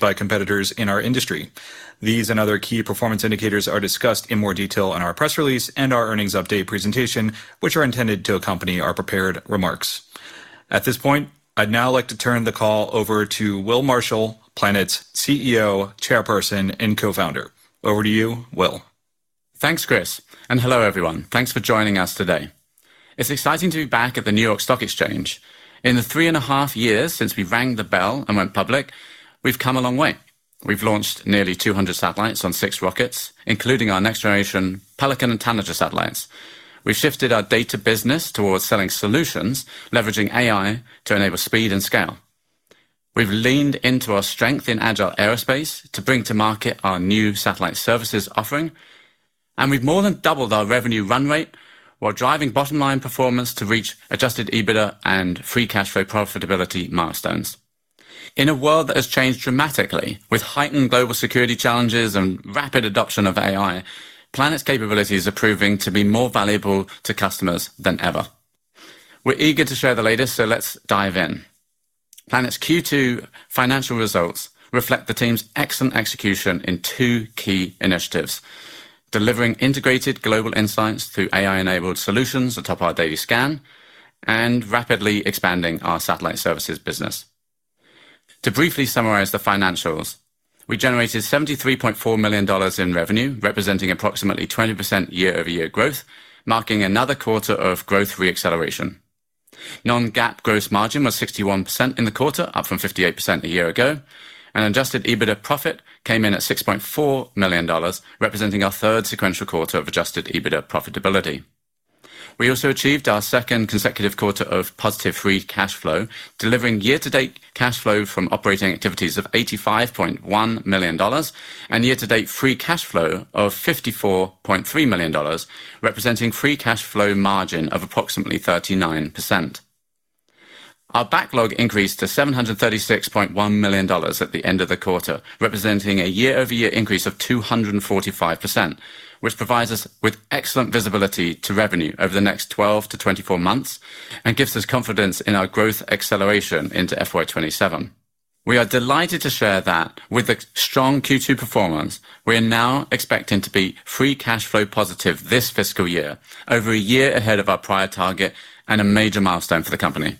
By competitors in our industry. These and other key performance indicators are discussed in more detail in our press release and our earnings update presentation, which are intended to accompany our prepared remarks. At this point, I'd now like to turn the call over to Will Marshall, Planet's CEO, Chairperson, and Co-Founder. Over to you, Will. Thanks, Chris, and hello everyone. Thanks for joining us today. It's exciting to be back at the New York Stock Exchange. In the three and a half years since we rang the bell and went public, we've come a long way. We've launched nearly 200 satellites on six rockets, including our next-generation Pelican and Tanager satellites. We've shifted our data business towards selling solutions, leveraging AI to enable speed and scale. We've leaned into our strength in agile aerospace to bring to market our new satellite services offering, and we've more than doubled our revenue run rate while driving bottom-line performance to reach adjusted EBITDA and free cash flow profitability milestones. In a world that has changed dramatically with heightened global security challenges and rapid adoption of AI, Planet's capabilities are proving to be more valuable to customers than ever. We're eager to share the latest, so let's dive in. Planet's Q2 Financial Results reflect the team's excellent execution in two key initiatives: delivering integrated global insights through AI-enabled solutions on top of our daily scan and rapidly expanding our satellite services business. To briefly summarize the financials, we generated $73.4 million in revenue, representing approximately 20% year-over-year growth, marking another quarter of growth reacceleration. Non-GAAP gross margin was 61% in the quarter, up from 58% a year ago, and adjusted EBITDA profit came in at $6.4 million, representing our third sequential quarter of adjusted EBITDA profitability. We also achieved our second consecutive quarter of positive free cash flow, delivering year-to-date cash flow from operating activities of $85.1 million and year-to-date free cash flow of $54.3 million, representing free cash flow margin of approximately 39%. Our backlog increased to $736.1 million at the end of the quarter, representing a year-over-year increase of 245%, which provides us with excellent visibility to revenue over the next 12-24 months and gives us confidence in our growth acceleration into FY 2027. We are delighted to share that with the strong Q2 performance, we are now expecting to be free cash flow positive this fiscal year, over a year ahead of our prior target and a major milestone for the company.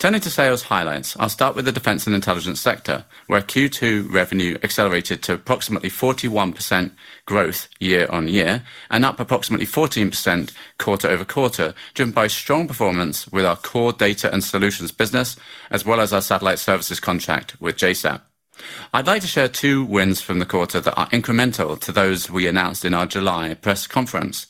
Turning to sales highlights, I'll start with the Defense and Intelligence sector, where Q2 revenue accelerated to approximately 41% growth year-on-year and up approximately 14% quarter-over-quarter, driven by strong performance with our core data and solutions business, as well as our satellite services contract with JSAT. I'd like to share two wins from the quarter that are incremental to those we announced in our July press conference.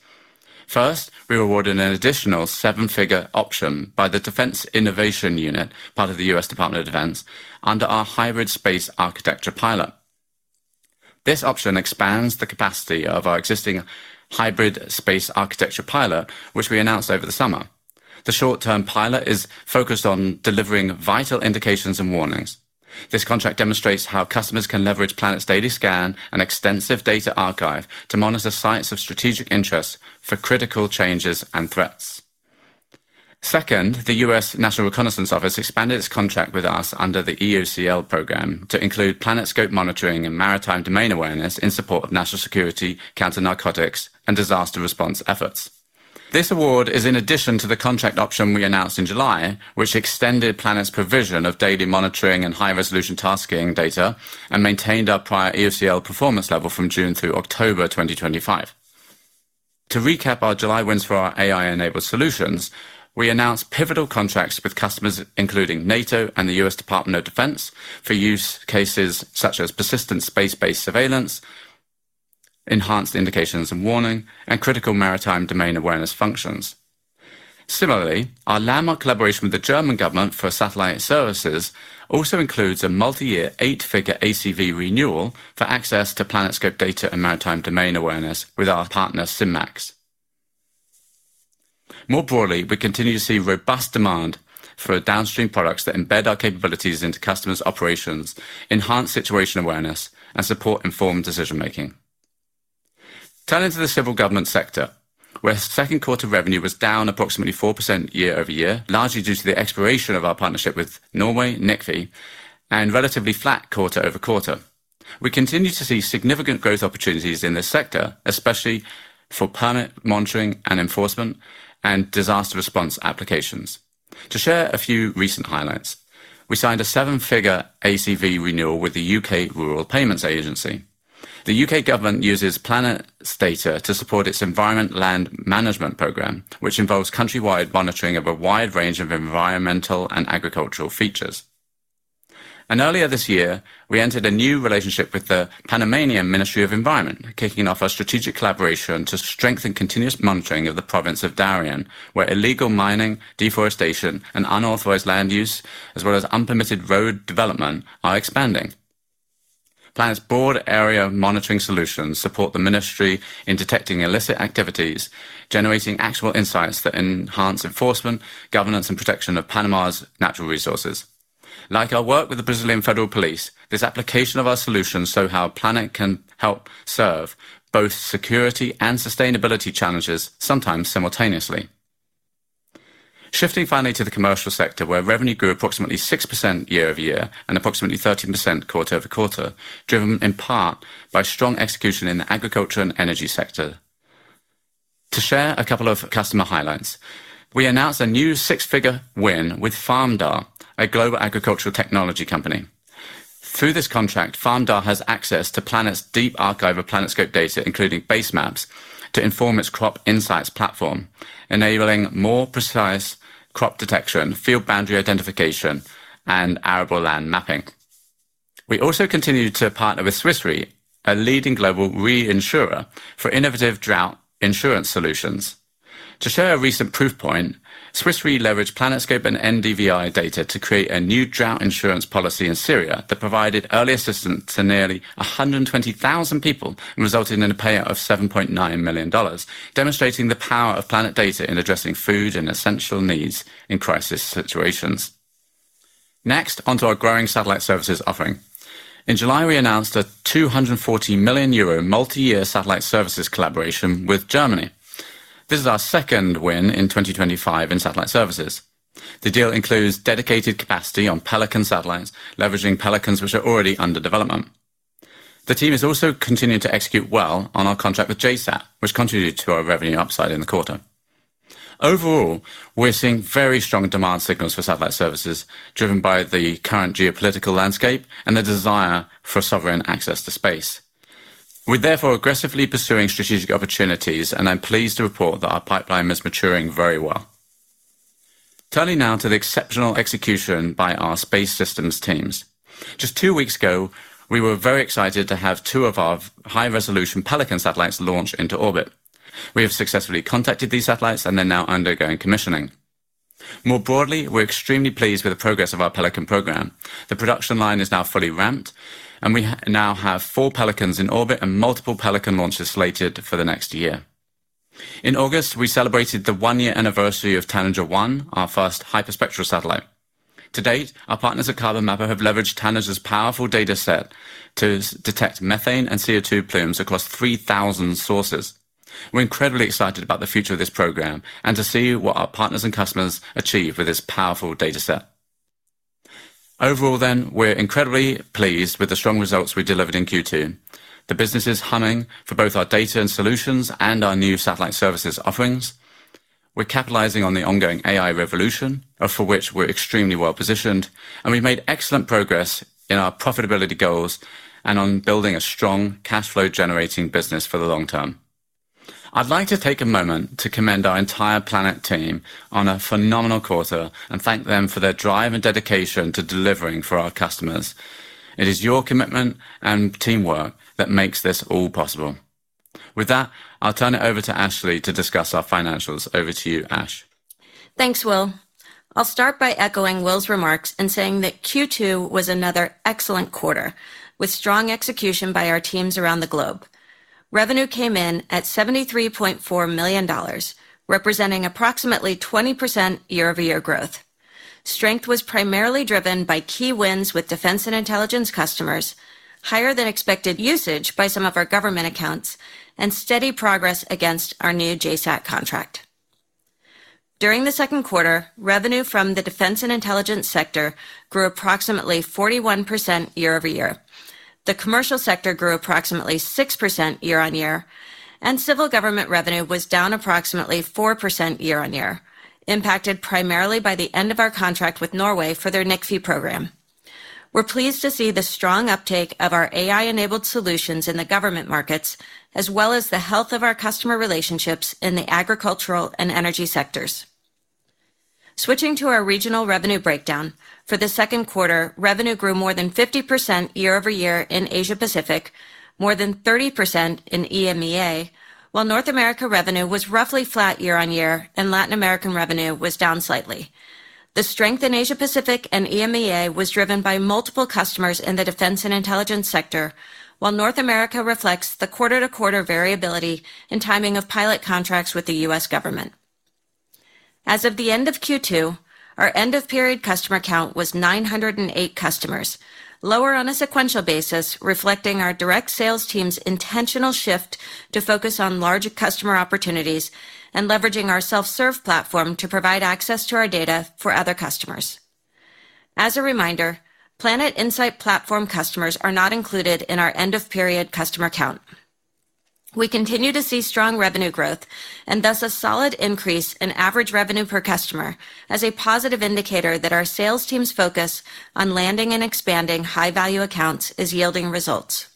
First, we were awarded an additional seven-figure option by the Defense Innovation Unit, part of the U.S. Department of Defense, under our hybrid space architecture pilot. This option expands the capacity of our existing hybrid space architecture pilot, which we announced over the summer. The short-term pilot is focused on delivering vital indications and warnings. This contract demonstrates how customers can leverage Planet's daily scan and extensive data archive to monitor sites of strategic interest for critical changes and threats. Second, the U.S. National Reconnaissance Office expanded its contract with us under the EOCL program to include PlanetScope monitoring and Maritime Domain Awareness in support of national security, counter-narcotics, and disaster response efforts. This award is in addition to the contract option we announced in July, which extended Planet's provision of daily monitoring and high-resolution tasking data and maintained our prior EOCL performance level from June through October 2025. To recap our July wins for our AI-enabled solutions, we announced pivotal contracts with customers, including NATO and the U.S. Department of Defense, for use cases such as persistent space-based surveillance, enhanced indications and warning, and critical Maritime Domain Awareness functions. Similarly, our landmark collaboration with the German government for satellite services also includes a multi-year eight-figure ACV renewal for access to PlanetScope data and Maritime Domain Awareness with our partner SIMAX. More broadly, we continue to see robust demand for downstream products that embed our capabilities into customers' operations, enhance situational awareness, and support informed decision-making. Turning to the Civil Government sector, where the second quarter revenue was down approximately 4% year-over-year, largely due to the expiration of our partnership with Norway, NIKFI, and relatively flat quarter-over-quarter, we continue to see significant growth opportunities in this sector, especially for Planet monitoring and enforcement and disaster response applications. To share a few recent highlights, we signed a seven-figure ACV renewal with the U.K. Rural Payments Agency. The U.K. government uses Planet's data to support its Environment Land Management program, which involves countrywide monitoring of a wide range of environmental and agricultural features. Earlier this year, we entered a new relationship with the Panamanian Ministry of Environment, kicking off a strategic collaboration to strengthen continuous monitoring of the province of Darien, where illegal mining, deforestation, and unauthorized land use, as well as unpermitted road development, are expanding. Planet's broad area monitoring solutions support the ministry in detecting illicit activities, generating actual insights that enhance enforcement, governance, and protection of Panama's natural resources. Like our work with the Brazilian Federal Police, this application of our solutions shows how Planet can help serve both security and sustainability challenges, sometimes simultaneously. Shifting finally to the Commercial sector, where revenue grew approximately 6% year-over-year and approximately 13% quarter-over-quarter, driven in part by strong execution in the agriculture and energy sector. To share a couple of customer highlights, we announced a new six-figure win with Farmdar, a global agricultural technology company. Through this contract, Farmdar has access to Planet's deep archive of PlanetScope data, including base maps, to inform its Crop Insights platform, enabling more precise crop detection, field boundary identification, and arable land mapping. We also continue to partner with Swiss Re, a leading global reinsurer for innovative drought insurance solutions. To share a recent proof point, Swiss Re leveraged PlanetScope and NDVI data to create a new drought insurance policy in Syria that provided early assistance to nearly 120,000 people, resulting in a payout of $7.9 million, demonstrating the power of Planet data in addressing food and essential needs in crisis situations. Next, onto our growing satellite services offering. In July, we announced a 240 million euro multi-year satellite services collaboration with Germany. This is our second win in 2025 in satellite services. The deal includes dedicated capacity on Pelican satellites, leveraging Pelicans, which are already under development. The team is also continuing to execute well on our contract with JSAT, which contributed to our revenue upside in the quarter. Overall, we're seeing very strong demand signals for satellite services, driven by the current geopolitical landscape and the desire for sovereign access to space. We're therefore aggressively pursuing strategic opportunities, and I'm pleased to report that our pipeline is maturing very well. Turning now to the exceptional execution by our Space Systems teams. Just two weeks ago, we were very excited to have two of our high-resolution Pelican satellites launch into orbit. We have successfully contacted these satellites, and they're now undergoing commissioning. More broadly, we're extremely pleased with the progress of our Pelican program. The production line is now fully ramped, and we now have four Pelicans in orbit and multiple Pelican launches slated for the next year. In August, we celebrated the one-year anniversary of Tanager-1, our first hyperspectral satellite. To date, our partners at Carbon Mapper have leveraged Tanager's powerful dataset to detect methane and CO2 plumes across 3,000 sources. We're incredibly excited about the future of this program and to see what our partners and customers achieve with this powerful dataset. Overall, then, we're incredibly pleased with the strong results we delivered in Q2. The business is humming for both our data and solutions and our new satellite services offerings. We're capitalizing on the ongoing AI revolution, for which we're extremely well positioned, and we've made excellent progress in our profitability goals and on building a strong cash-flow-generating business for the long-term. I'd like to take a moment to commend our entire Planet team on a phenomenal quarter and thank them for their drive and dedication to delivering for our customers. It is your commitment and teamwork that makes this all possible. With that, I'll turn it over to Ashley to discuss our financials. Over to you, Ash. Thanks, Will. I'll start by echoing Will's remarks in saying that Q2 was another excellent quarter, with strong execution by our teams around the globe. Revenue came in at $73.4 million, representing approximately 20% year-over-year growth. Strength was primarily driven by key wins with defense and intelligence customers, higher than expected usage by some of our government accounts, and steady progress against our new JSAT contract. During the second quarter, revenue from the Defense and Intelligence sector grew approximately 41% year-over-year. The Commercial sector grew approximately 6% year-over-year, and civil government revenue was down approximately 4% year-over-year, impacted primarily by the end of our contract with Norway for their NIKFI program. We're pleased to see the strong uptake of our AI-enabled solutions in the government markets, as well as the health of our customer relationships in the Agricultural and Energy sectors. Switching to our regional revenue breakdown, for the second quarter, revenue grew more than 50% year-over-year in Asia-Pacific, more than 30% in EMEA, while North America revenue was roughly flat year-over-year and Latin America revenue was down slightly. The strength in Asia-Pacific and EMEA was driven by multiple customers in the Defense and Intelligence sector, while North America reflects the quarter-to-quarter variability in timing of pilot contracts with the U.S. government. As of the end of Q2, our end-of-period customer count was 908 customers, lower on a sequential basis, reflecting our direct sales team's intentional shift to focus on large customer opportunities and leveraging our self-serve platform to provide access to our data for other customers. As a reminder, Planet Insights platform customers are not included in our end-of-period customer count. We continue to see strong revenue growth and thus a solid increase in average revenue per customer as a positive indicator that our sales team's focus on landing and expanding high-value accounts is yielding results.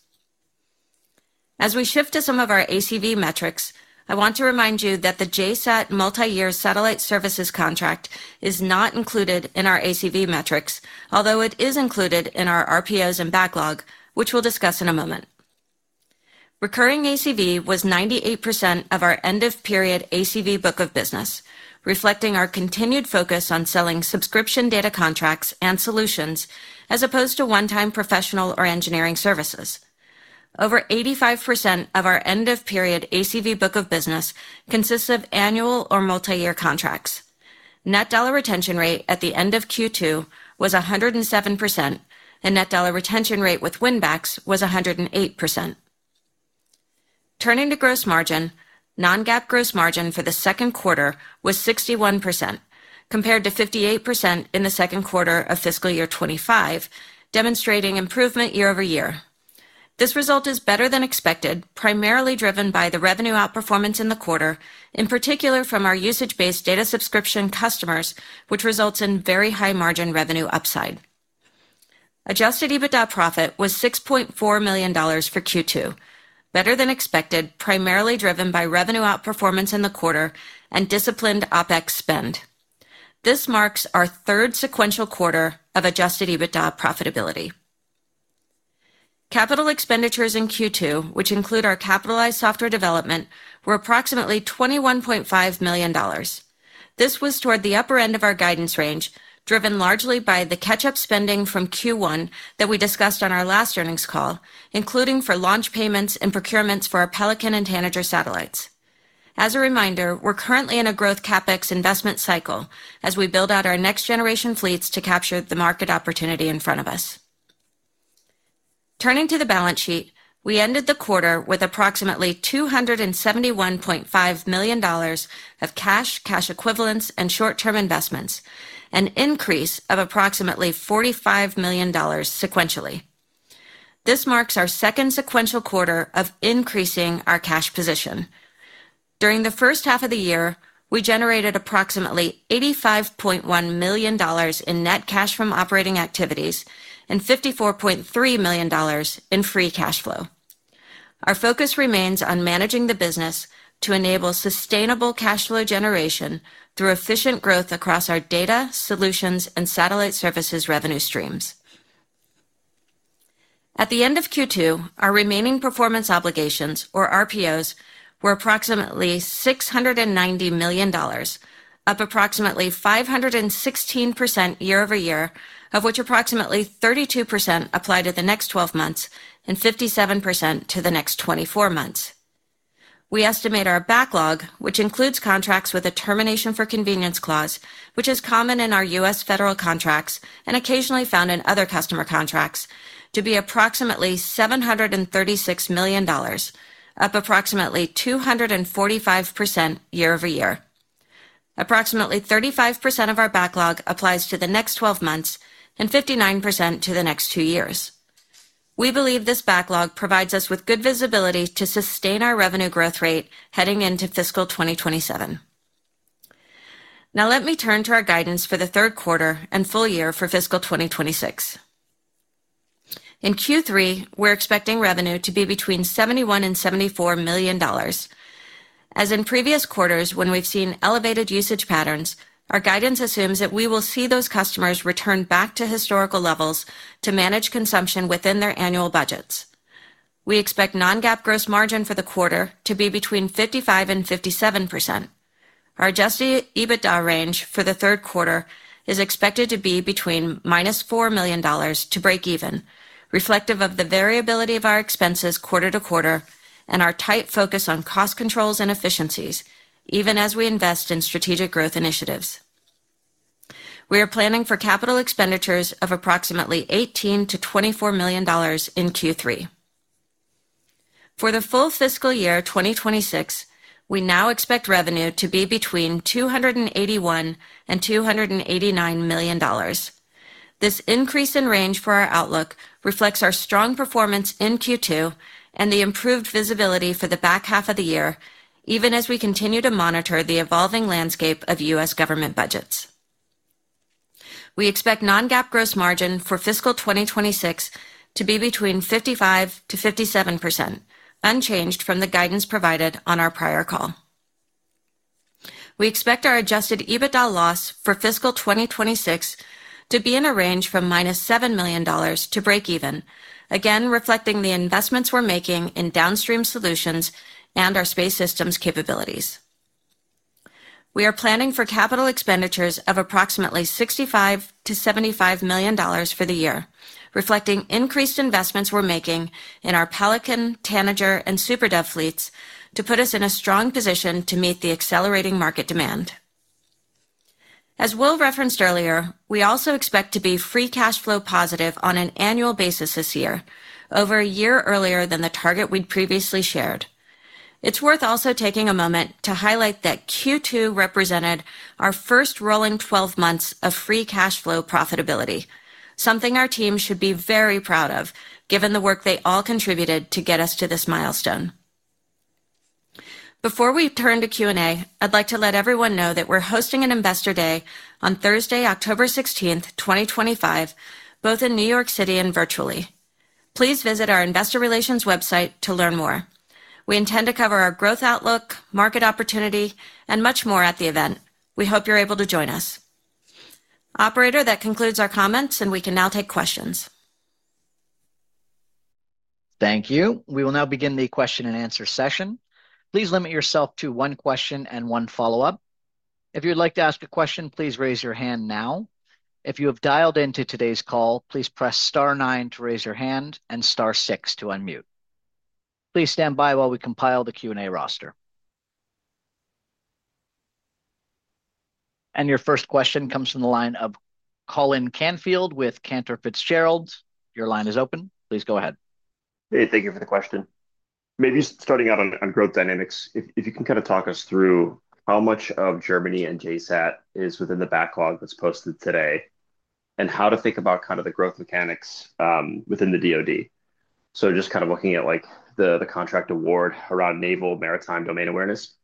As we shift to some of our ACV metrics, I want to remind you that the JSAT multi-year satellite services contract is not included in our ACV metrics, although it is included in our RPOs and backlog, which we'll discuss in a moment. Recurring ACV was 98% of our end-of-period ACV book of business, reflecting our continued focus on selling subscription data contracts and solutions as opposed to one-time professional or engineering services. Over 85% of our end-of-period ACV book of business consists of annual or multi-year contracts. Net dollar retention rate at the end of Q2 was 107%, and net dollar retention rate with win-backs was 108%. Turning to gross margin, non-GAAP gross margin for the second quarter was 61%, compared to 58% in the second quarter of fiscal year 2025, demonstrating improvement year-over-year. This result is better than expected, primarily driven by the revenue outperformance in the quarter, in particular from our usage-based data subscription customers, which results in very high margin revenue upside. Adjusted EBITDA profit was $6.4 million for Q2, better than expected, primarily driven by revenue outperformance in the quarter and disciplined OpEx spend. This marks our third sequential quarter of adjusted EBITDA profitability. Capital expenditures in Q2, which include our capitalized software development, were approximately $21.5 million. This was toward the upper end of our guidance range, driven largely by the catch-up spending from Q1 that we discussed on our last earnings call, including for launch payments and procurements for our Pelican and Tanager satellites. As a reminder, we're currently in a growth CapEx investment cycle as we build out our next-generation fleets to capture the market opportunity in front of us. Turning to the balance sheet, we ended the quarter with approximately $271.5 million of cash, cash equivalents, and short-term investments, an increase of approximately $45 million sequentially. This marks our second sequential quarter of increasing our cash position. During the first-half of the year, we generated approximately $85.1 million in net cash from operating activities and $54.3 million in free cash flow. Our focus remains on managing the business to enable sustainable cash flow generation through efficient growth across our data, solutions, and satellite services revenue streams. At the end of Q2, our remaining performance obligations, or RPOs, were approximately $690 million, up approximately 516% year-over-year, of which approximately 32% apply to the next 12 months and 57% to the next 24 months. We estimate our backlog, which includes contracts with a termination for convenience clause, which is common in our U.S. Federal contracts and occasionally found in other customer contracts, to be approximately $736 million, up approximately 245% year-over-year. Approximately 35% of our backlog applies to the next 12 months and 59% to the next two years. We believe this backlog provides us with good visibility to sustain our revenue growth rate heading into fiscal 2027. Now let me turn to our guidance for the third quarter and full year for fiscal 2026. In Q3, we're expecting revenue to be between $71 million and $74 million. As in previous quarters, when we've seen elevated usage patterns, our guidance assumes that we will see those customers return back to historical levels to manage consumption within their annual budgets. We expect non-GAAP gross margin for the quarter to be between 55% and 57%. Our adjusted EBITDA range for the third quarter is expected to be between -$4 million to break even, reflective of the variability of our expenses quarter-to-quarter and our tight focus on cost controls and efficiencies, even as we invest in strategic growth initiatives. We are planning for capital expenditures of approximately $18 million-$24 million in Q3. For the full fiscal year 2026, we now expect revenue to be between $281 million and $289 million. This increase in range for our outlook reflects our strong performance in Q2 and the improved visibility for the back half of the year, even as we continue to monitor the evolving landscape of U.S. government budgets. We expect non-GAAP gross margin for fiscal 2026 to be between 55%-57%, unchanged from the guidance provided on our prior call. We expect our adjusted EBITDA loss for fiscal 2026 to be in a range from -$7 million to break even, again reflecting the investments we're making in downstream solutions and our space systems capabilities. We are planning for capital expenditures of approximately $65 million-$75 million for the year, reflecting increased investments we're making in our Pelican, Tanager, and SuperDove fleets to put us in a strong position to meet the accelerating market demand. As Will referenced earlier, we also expect to be free cash flow positive on an annual basis this year, over a year earlier than the target we'd previously shared. It's worth also taking a moment to highlight that Q2 represented our first rolling 12 months of free cash flow profitability, something our team should be very proud of, given the work they all contributed to get us to this milestone. Before we turn to Q&A, I'd like to let everyone know that we're hosting an Investor Day on Thursday, October 16, 2025, both in New York City and virtually. Please visit our Investor Relations website to learn more. We intend to cover our growth outlook, market opportunity, and much more at the event. We hope you're able to join us. Operator, that concludes our comments, and we can now take questions. Thank you. We will now begin the question-and-answer session. Please limit yourself to one question and one follow-up. If you'd like to ask a question, please raise your hand now. If you have dialed into today's call, please press star nine to raise your hand and star six to unmute. Please stand by while we compile the Q&A roster. Your first question comes from the line of Colin Canfield with Cantor Fitzgerald. Your line is open. Please go ahead. Hey, thank you for the question. Maybe starting out on growth dynamics, if you can kind of talk us through how much of Germany and JSAT is within the backlog that's posted today and how to think about kind of the growth mechanics within the DOD. Just kind of looking at like the contract award around naval Maritime Domain Awareness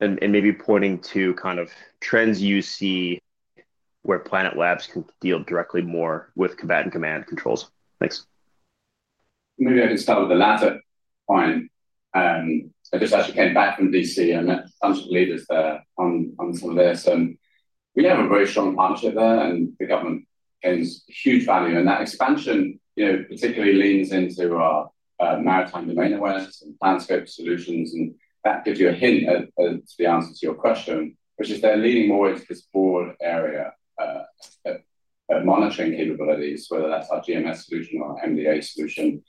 and maybe pointing to kind of trends you see where Planet Labs can deal directly more with combatant command controls. Thanks. Maybe I can start with the latter point. I just actually came back from BC and met a bunch of leaders there on some of this. Yeah, I'm a very strong partner with that and the government brings huge value. That expansion, you know, particularly leans into our Maritime Domain Awareness and Planned Scope Solutions. That could do a hint, to be honest, to your question, which is they're leaning more into this broad area of monitoring capabilities, whether that's our GMS solution or our MDA solution.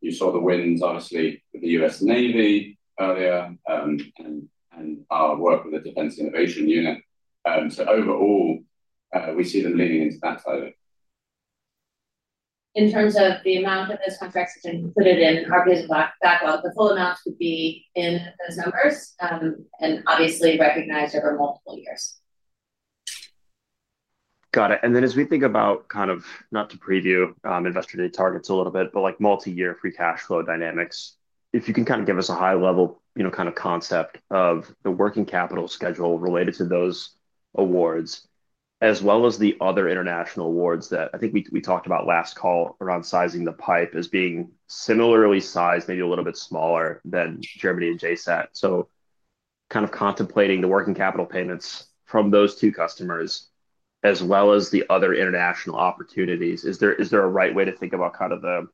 You saw the wins, obviously, with the U.S. Navy earlier and our work with the Defense Innovation Unit. Overall, we see them leaning into that. In terms of the amount that those contracts are included in, how does that backlog, the full amount, be in those numbers, and obviously recognized over multiple years? Got it. As we think about, not to preview Investor Day targets a little bit, but like multi-year free cash flow dynamics, if you can kind of give us a high-level concept of the working capital schedule related to those awards, as well as the other international awards that I think we talked about last call around sizing the pipe as being similarly sized, maybe a little bit smaller than Germany and JSAT. Contemplating the working capital payments from those two customers, as well as the other international opportunities, is there a right way to think about the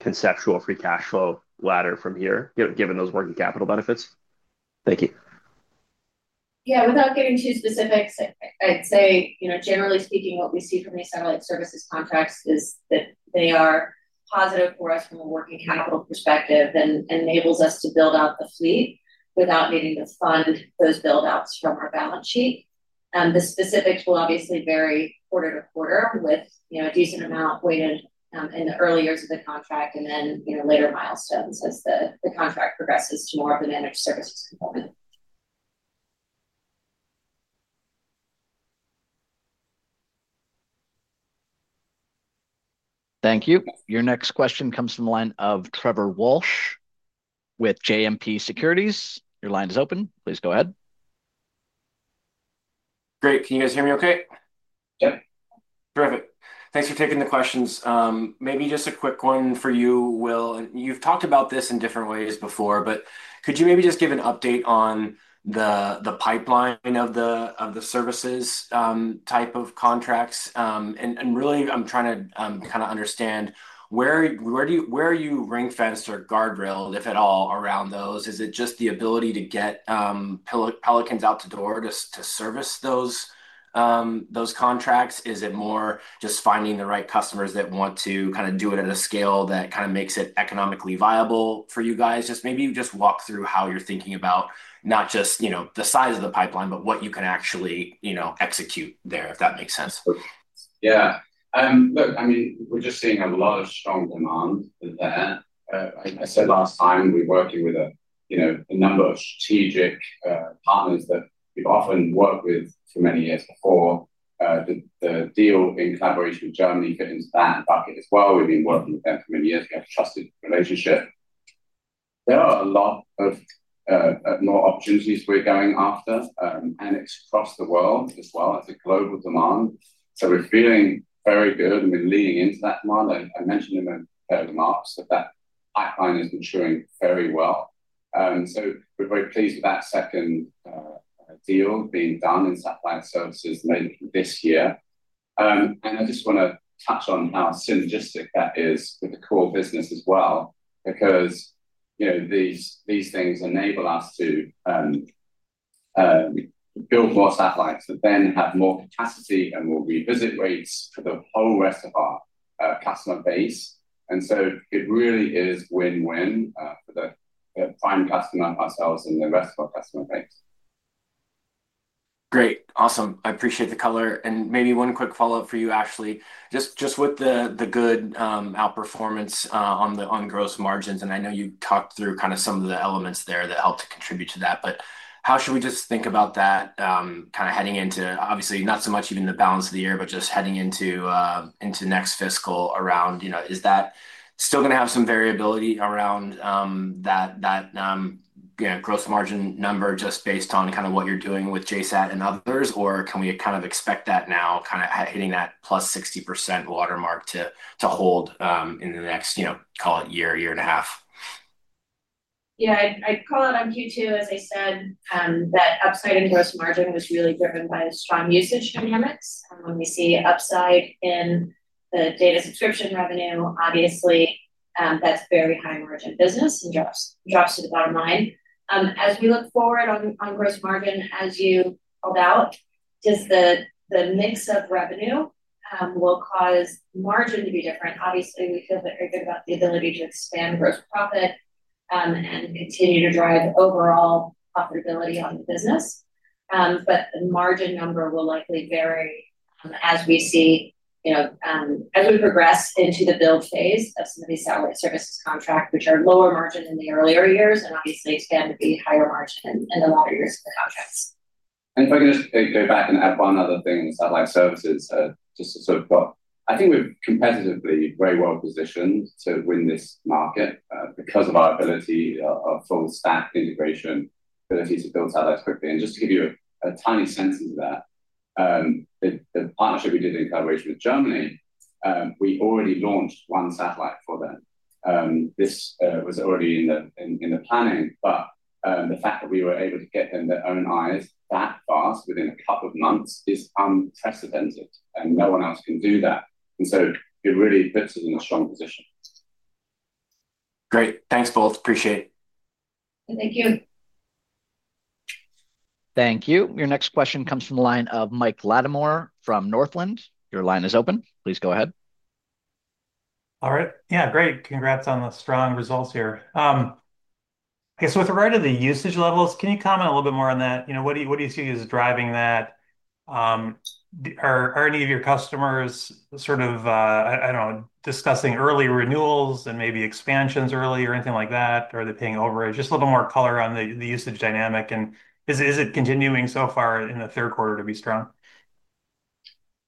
conceptual free cash flow ladder from here, given those working capital benefits? Thank you. Yeah, without getting too specific, I'd say, you know, generally speaking, what we see from these satellite services contracts is they are positive for us from a working capital perspective, and it enables us to build out the fleet without needing to fund those build-outs from our balance sheet. The specifics will obviously vary quarter-to-quarter with, you know, a decent amount weighted in the early years of the contract, and then, you know, later milestones as the contract progresses to more of the managed services. Thank you. Your next question comes from the line of Trevor Walsh with JMP Securities. Your line is open. Please go ahead. Great. Can you guys hear me okay? Terrific. Thanks for taking the questions. Maybe just a quick one for you, Will. You've talked about this in different ways before, but could you maybe just give an update on the pipeline of the services type of contracts? I'm trying to kind of understand where are you ring-fenced or guardrailed, if at all, around those. Is it just the ability to get Pelicans out the door to service those contracts? Is it more just finding the right customers that want to do it at a scale that makes it economically viable for you guys? Maybe you can just walk through how you're thinking about not just the size of the pipeline, but what you can actually execute there, if that makes sense. Yeah. Look, I mean, we're just seeing a lot of strong demand within that. I said last time, we're working with a number of strategic partners that we've often worked with for many years before. The deal in collaboration with Germany fits that bucket as well. We've been working with them for many years to get a trusted relationship. There are a lot more opportunities we're going after, and it's across the world as well as a global demand. We're feeling very good and we're leaning into that demand. I mentioned in the remarks that that time has been showing very well. We're very pleased with that second deal being done in satellite services later this year. I just want to touch on how synergistic that is with the core business as well because these things enable us to build more satellites that then have more capacity and more revisit rates for the whole rest of our customer base. It really is a win-win for trying to best ourselves and the rest of our customer base. Great. Awesome. I appreciate the color. Maybe one quick follow-up for you, Ashley. Just with the good outperformance on the gross margins, and I know you talked through kind of some of the elements there that helped to contribute to that, how should we just think about that heading into, obviously, not so much even the balance of the year, but just heading into next fiscal around, you know, is that still going to have some variability around that gross margin number just based on kind of what you're doing with JSAT and others, or can we expect that now hitting that +60% watermark to hold in the next, you know, call it year, year and a half? Yeah, I'd call it on Q2, as I said, that upside in gross margin was really driven by strong usage payments. We see upside in the data subscription revenue. Obviously, that's a very high margin business, and [JSAT] is at the bottom line. As we look forward on gross margin, as you allow, just the mix of revenue will cause margin to be different. Obviously, we feel that it's about the ability to expand gross profit and continue to drive overall profitability on the business. The margin number will likely vary as we see, as we progress into the build phase of some of these satellite services contracts, which are lower margin in the earlier years, and obviously expand to be higher margin in the later years. If I could just go back and add one other thing, satellite services, just to sort of put, I think we're competitively very well positioned to win this market because of our ability for staff integration, ability to build satellites quickly. Just to give you a tiny sense of that, the partnership we did in collaboration with Germany, we already launched one satellite for them. This was already in the planning, but the fact that we were able to get in their own eyes that fast within a couple of months is unprecedented. No one else can do that, so it really puts us in a strong position. Great. Thanks, both. Appreciate it. Thank you. Your next question comes from the line of Michael Latimore from Northland. Your line is open. Please go ahead. All right. Yeah, great. Congrats on the strong results here. I guess with regard to the usage levels, can you comment a little bit more on that? You know, what do you see as driving that? Are any of your customers sort of, I don't know, discussing early renewals and maybe expansions early or anything like that? Are they paying overage? Just a little bit more color on the usage dynamic. Is it continuing so far in the third quarter to be strong?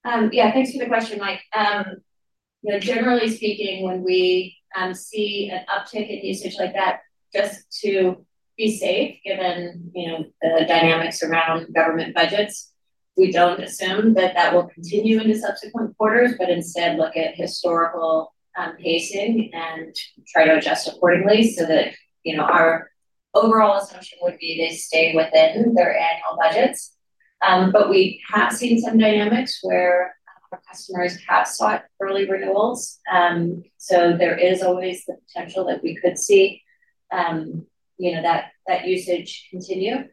Yeah, thanks for the question, Mike. Generally speaking, when we see an uptick in usage like that, just to be safe, given the dynamics around government budgets, we don't assume that will continue in the subsequent quarters, but instead look at historical pacing and try to adjust accordingly so that our overall assumption would be they stay within their annual budgets. We have seen some dynamics where customers have sought early renewals. There is always the potential that we could see that usage continue.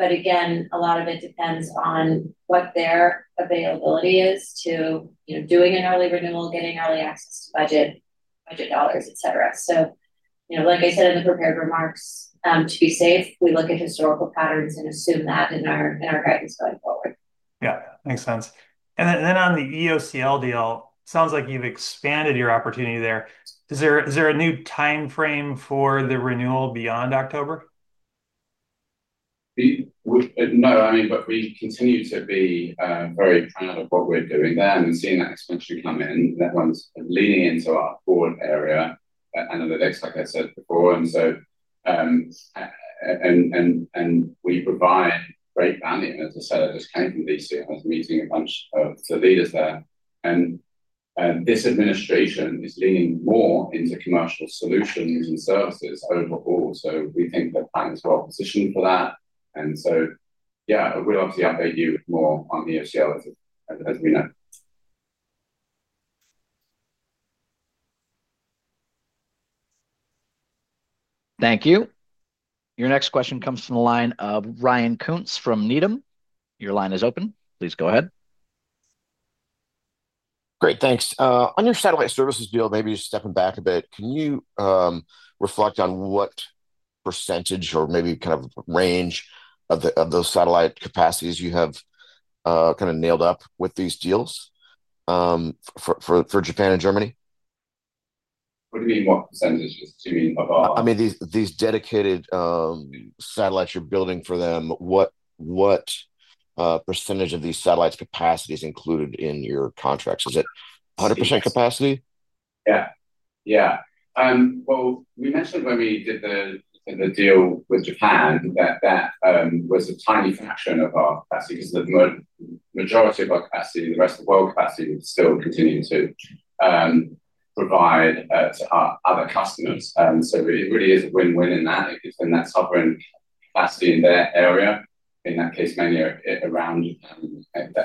Again, a lot of it depends on what their availability is to doing an early renewal, getting early access to budget dollars, etc. Like I said in the prepared remarks, to be safe, we look at historical patterns and assume that in our heads. Yeah, makes sense. On the EOCL deal, it sounds like you've expanded your opportunity there. Is there a new timeframe for the renewal beyond October? No, I mean, we continue to be very keen on what we're doing there and seeing that expansion coming in once leaning into our core area analytics that I had said before. We're leaning more into commercial solutions and services overall, we're thinking of that plan as well. Shooting for that. Yeah, I would obviously argue more on the EOCL too. Thank you. Your next question comes from the line of Ryan Koontz from Needham. Your line is open. Please go ahead. Great, thanks. On your satellite services deal, maybe just stepping back a bit, can you reflect on what percentage or maybe kind of range of those satellite capacities you have kind of nailed up with these deals for Japan and Germany? I mean, these dedicated satellites you're building for them, what percentage of these satellite capacity is included in your contracts? Is it 100% capacity? Yeah. We mentioned when we did the deal with Japan, it was a tiny fraction of our capacity. The majority of our capacity, the rest of our capacity, is still continuing to provide to our other customers. It really is a win-win in that. It's in that sovereign capacity in that area, in that case in the around the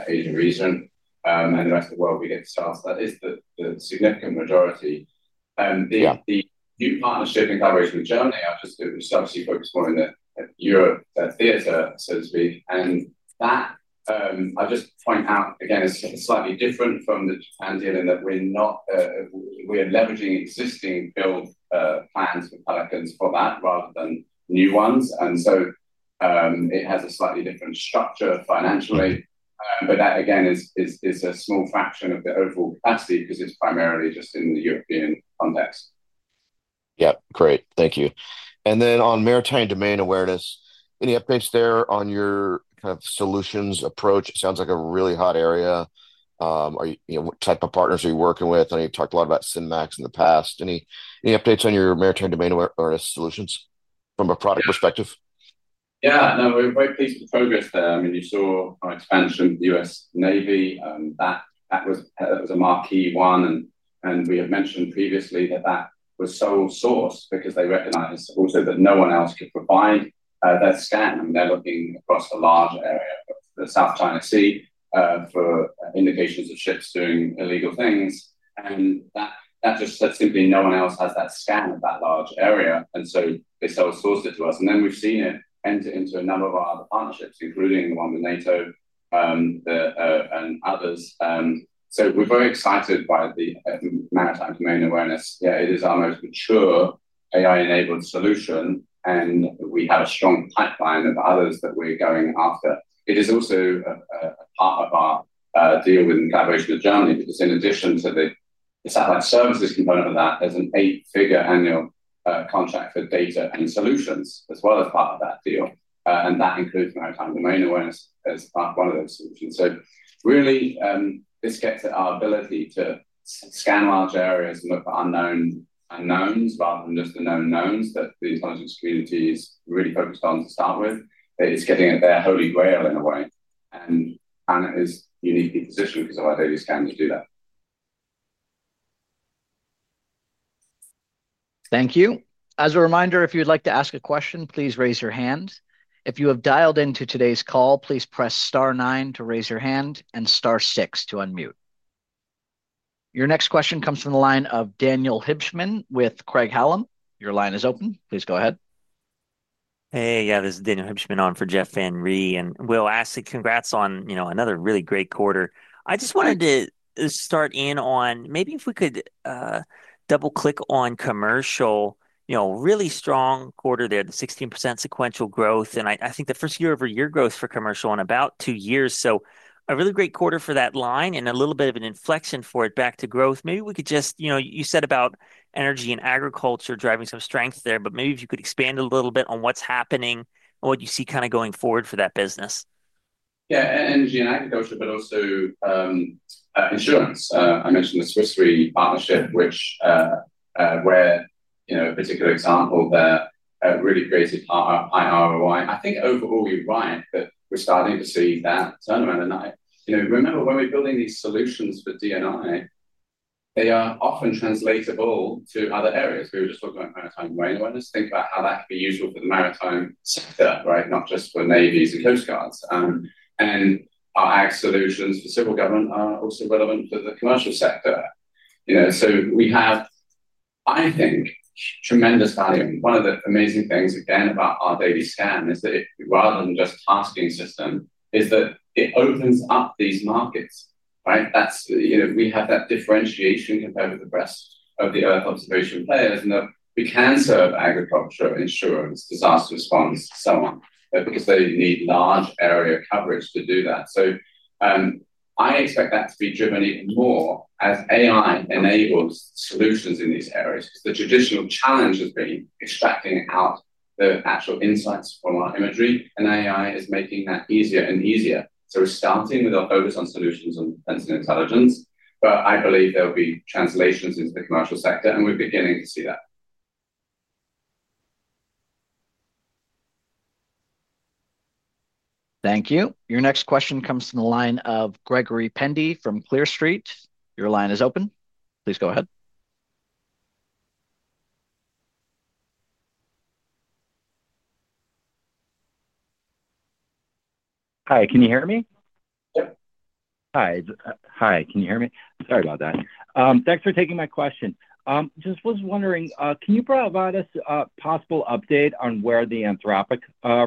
Fiji region. That's where we get to task, at least the significant majority. The partnership in collaboration with Germany, I've just obviously been exploring the Europe theater since we've handed that. I'll just point out, again, it's slightly different from the Japan deal in that we're not, we're leveraging existing built plans for Pelican for that rather than new ones. It has a slightly different structure financially. That, again, is a small fraction of the overall capacity because it's primarily just in the European context. Thank you. On Maritime Domain Awareness, any updates there on your kind of solutions approach? It sounds like a really hot area. What type of partners are you working with? I know you've talked a lot about SIMAX in the past. Any updates on your Maritime Domain Awareness solutions from a product perspective? Yeah, no, we're right at the right place with progress there. I mean, you saw our expansion with the U.S. Navy. That was a Marquee One. We had mentioned previously that that was sole source because they recognized also that no one else could provide that span. They're looking across the larger South China Sea for innovations of ships doing illegal things. That just sets it clear no one else has that span of that large area, and so they sole source to us. We've seen it enter into a number of our other partnerships, including one with NATO and others. We're very excited by the Maritime Domain Awareness. Yeah, it is our most mature AI-enabled solution, and we have a strong line of others that we're going after. It is also part of our deal with the collaboration with Germany because in addition to the satellite services component of that, there's an eight-figure annual contract for data and solutions as well as part of that deal. That includes Maritime Domain Awareness as part of one of those solutions. Really, this gets our ability to scan large areas and look for unknown unknowns rather than just the known knowns that these larger communities really focused on to start with. It's giving a very holy grail in a way. It is a unique position because of our daily standing. Thank you. As a reminder, if you'd like to ask a question, please raise your hand. If you have dialed into today's call, please press star nine to raise your hand and star six to unmute. Your next question comes from the line of Daniel Hibshman with Craig-Hallum. Your line is open. Please go ahead. Hey, yeah, this is Daniel Hibshman on for Jeffrey Van Rhee. Will, Ashley, congrats on, you know, another really great quarter. I just wanted to start in on maybe if we could double-click on commercial, you know, really strong quarter there, the 16% sequential growth. I think the first year-over-year growth for commercial in about two years. A really great quarter for that line and a little bit of an inflection for it back to growth. Maybe we could just, you know, you said about energy and agriculture driving some strength there, but maybe if you could expand a little bit on what's happening and what you see kind of going forward for that business. Energy and agriculture, but also insurance. I mentioned the Swiss Re partnership, which is a particular example that really created high ROI. I think overall we're right that we're starting to see that turnaround. Remember when we're building these solutions for DNI, they are often translatable to other areas. We were just talking about Maritime Domain Awareness. Think about how that could be useful for the Maritime sector, right? Not just for navies and coast guards. Our solutions for civil government are also relevant for the Commercial sector. We have, I think, tremendous value. One of the amazing things, again, about our baby STEM is that it's, rather than just a parsing system, it opens up these markets, right? We have that differentiation above the rest of the observation players in that we can serve agriculture, insurance, disaster response, and so on. You need large area coverage to do that. I expect that to be driven even more as AI enables solutions in these areas. The traditional challenge has been extracting out the actual insights from our imagery, and AI is making that easier and easier. We're starting with our focus on solutions and sensitive intelligence, but I believe there'll be cancellations into the Commercial sector, and we're beginning to see that. Thank you. Your next question comes from the line of Gregory Pendy from Clear Street. Your line is open. Please go ahead. Hi, can you hear me? Sorry about that. Thanks for taking my question. Just was wondering, can you provide us a possible update on where the Anthropic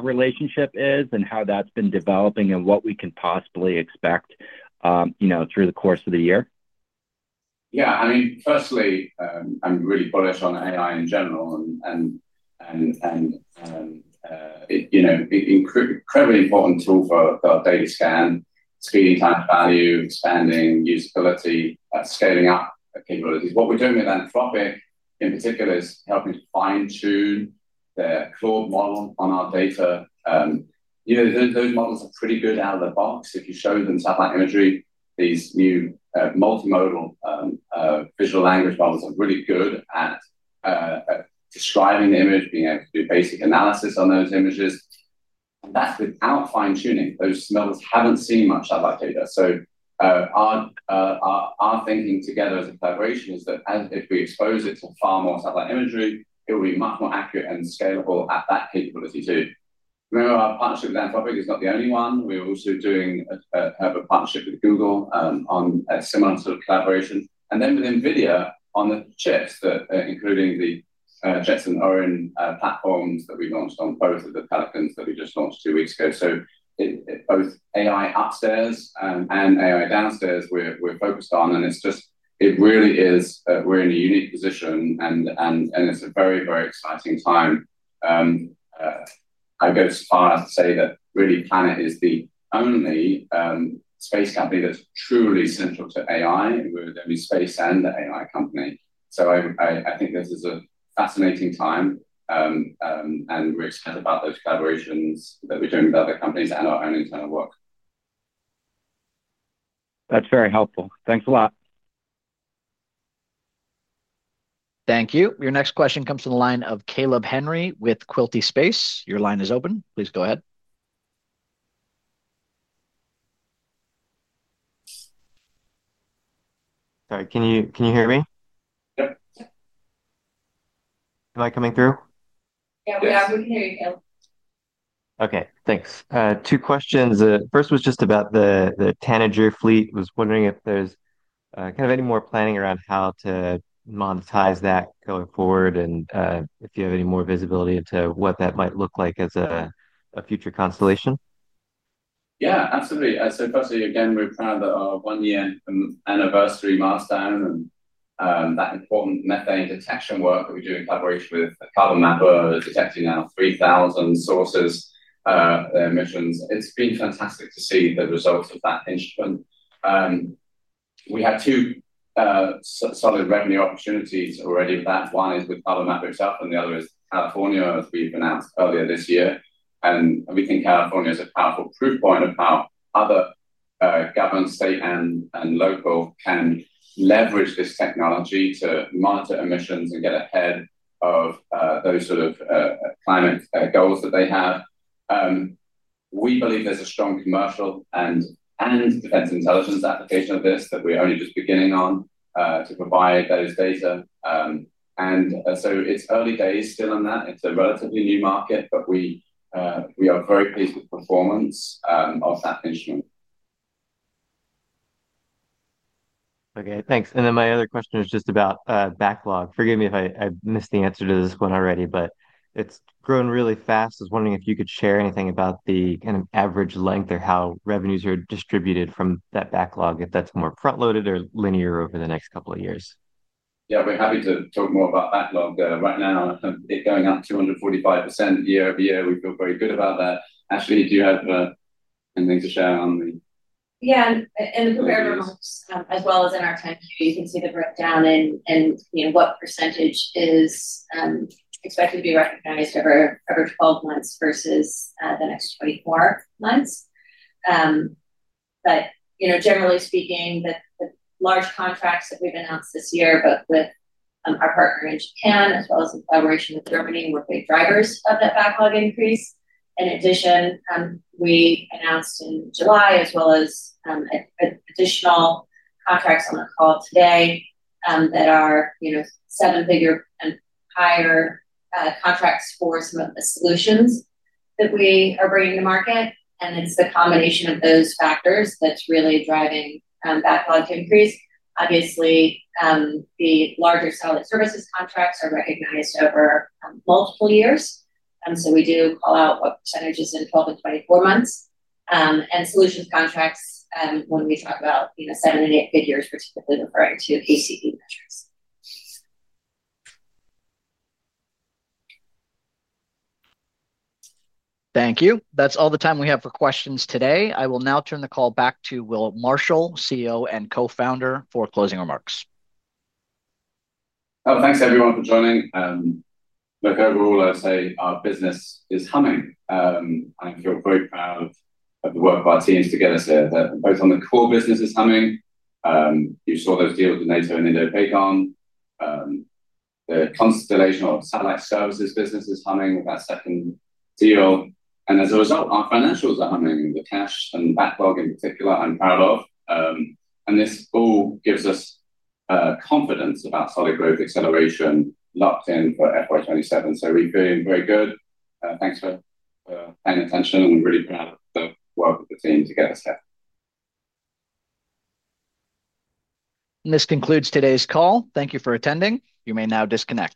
relationship is and how that's been developing and what we can possibly expect, you know, through the course of the year? Yeah, I mean, firstly, I'm really bullish on AI in general. A tool for our data scan, speed that I knew, expanding usability, scaling up capabilities. What we're doing with Anthropic in particular is helping to fine-tune the cloud model on our data. You know, those models are pretty good out of the box. If you're showing them satellite imagery, these new multimodal visual language models are really good at describing the image, being able to do basic analysis on those images. That's without fine-tuning. Those models haven't seen much satellite data. Our thinking together as a collaboration is that if we expose it to far more satellite imagery, it will be much more accurate and scalable at that capability too. No, actually, Anthropic isn't the only one. We're also doing a partnership with Google on some months of collaboration. Then with NVIDIA on the chips, including the Snapdragon chips and our own platforms that we launched on both of the platforms that we just launched two weeks ago. Both AI upstairs and AI downstairs, we're focused on, and it's just, it really is that we're in a unique position, and it's a very, very exciting time. I go so far as to say that really Planet is the only space company that's truly central to AI. We still send the AI company. I think this is a fascinating time, and we're excited about those collaborations within that. That's very helpful. Thanks a lot. Thank you. Your next question comes from the line of Caleb Henry with Quilty Space. Your line is open. Please go ahead. Sorry, can you hear me? Am I coming through? Okay, thanks. Two questions. The first was just about the Tanager fleet. I was wondering if there's kind of any more planning around how to monetize that going forward and if you have any more visibility into what that might look like as a future constellation. Yeah, absolutely. Obviously, we're kind of at our one-year anniversary milestone, and that important methane detection work that we do in collaboration with Carbon Mapper is detecting now 3,000 sources of emissions. It's been fantastic to see the results of that. We had two solid revenue opportunities already. One is with Carbon Mapper itself, and the other is with California that we've been at earlier this year. We think California can leverage this technology to monitor emissions and get ahead of those sort of planet goals that they have. We believe there's a strong commercial and intelligence at the data base that we are just beginning on to provide those data. It's early days still on that. It's a relatively new market, but we are very pleased with the performance. Okay, thanks. My other question is just about backlog. Forgive me if I missed the answer to this one already, but it's grown really fast. I was wondering if you could share anything about the kind of average length or how revenues are distributed from that backlog, if that's more front-loaded or linear over the next couple of years. Yeah, I'd be happy to talk more about backlog right now. It's going up 245% year-over-year. We feel very good about that. Ashley, do you have anything to share on the? Yeah, and the revenue as well as our time, it seems to be broken down in what percentage is expected to be recognized over 12 months versus the next 24 months. Generally speaking, the large contracts that we've announced this year with our partner in Japan, as well as in collaboration with Germany, were the drivers of that backlog increase. In addition, we announced in July, as well as additional contracts that were called today that are seven-figure higher contracts for some of the solutions that we are bringing to market. It's the combination of those factors that's really driving that large increase. Obviously, the larger satellite services contracts are going to be missed over multiple years. We do allow percentage in 12-24 months. Solutions contracts when we talk about seven and eight figures, particularly to AC metrics. Thank you. That's all the time we have for questions today. I will now turn the call back to Will Marshall, CEO and Co-Founder, for closing remarks. Thanks everyone for joining. Overall, I'd say our business is humming. I can feel great about the work of our teams to get us there. Both on the core business is stemming. You saw those deals with NATO and Indo-Papan. The constellation of satellite services business is humming with that second deal. As a result, our financials are humming, the cash and backlog in particular are unparalleled. This all gives us confidence about solid growth acceleration, locked in for FY 2027. We're feeling very good and paying attention really well. This concludes today's call. Thank you for attending. You may now disconnect.